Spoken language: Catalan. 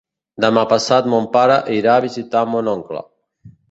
Demà passat mon pare irà a visitar mon oncle.